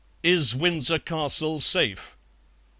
Is Windsor Castle safe?"